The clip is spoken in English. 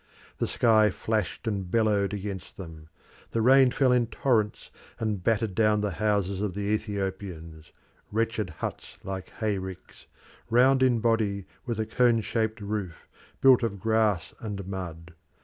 The sky flashed and bellowed against them; the rain fell in torrents, and battered down the houses of the Ethiopians wretched huts like hay ricks, round in body with a cone shaped roof, built of grass and mud.